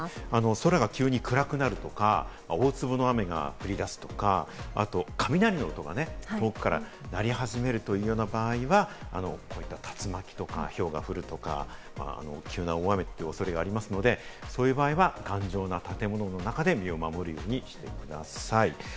空が急に暗くなるとか、大粒の雨が降り出すとか、あと雷の音がね、遠くから鳴り始めるというような場合は、こういった竜巻とか、ひょうが降るとか、急な大雨という恐れがありますので、そういう場合は頑丈な建物の中で身を守るようにしてください。